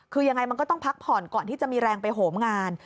คือยังไงมันก็ต้องพักผ่อนก่อนที่จะมีแรงไปโหมงาน